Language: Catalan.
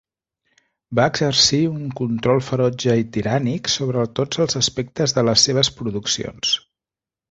Va exercir un control ferotge i tirànic sobre tots els aspectes de les seves produccions.